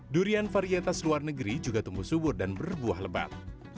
durian varietas luar negeri juga tumbuh subur dan berbuah lebat